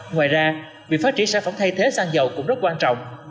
ngoài ra việc phát triển sản phẩm thay thế xăng dầu cũng rất quan trọng